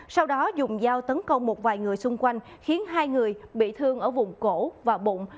sau đó dùng dao tấn công một vài người xung quanh khiến hai người bị thương ở vùng cổ và bụng